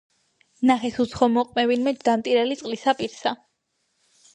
ნახეს უცხო ვინმე ჯდა მტირალი წყლისა პირსა